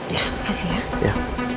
ya kasih ya